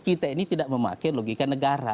kita ini tidak memakai logika negara